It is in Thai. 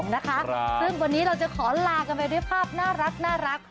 ซึ่งวันนี้เราจะขอลากันไปด้วยภาพน่ารัก